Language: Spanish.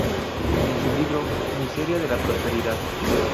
En su libro "Miseria de la prosperidad.